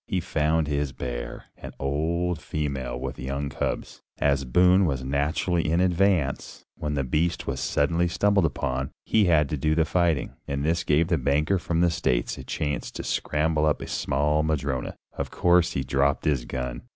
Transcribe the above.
He found his bear, an old female with young cubs. As Boone was naturally in advance when the beast was suddenly stumbled upon, he had to do the fighting, and this gave the banker from the States a chance to scramble up a small madrona. Of course he dropped his gun.